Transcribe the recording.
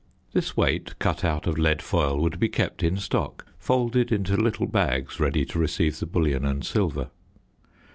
This weight, cut out of lead foil, would be kept in stock folded into little bags ready to receive the bullion and silver.